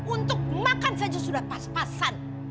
untuk makan saja sudah pas pasan